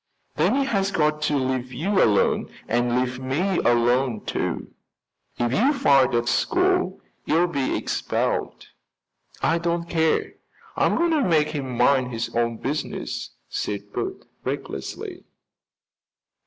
"Then he has got to leave you alone and leave me alone, too." "If you fight at school, you'll be expelled." "I don't care, I'm going to make him mind his own business," said Bert recklessly.